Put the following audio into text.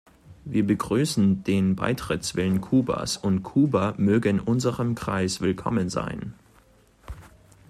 Wir begrüßen den Beitrittswillen Kubas, und Kuba möge in unserem Kreis willkommen sein.